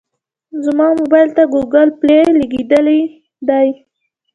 زما موبایل ته ګوګل پلی لګېدلی دی.